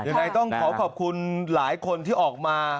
ยังไงต้องขอขอบคุณหลายคนที่ออกมา